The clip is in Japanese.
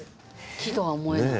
木とは思えない。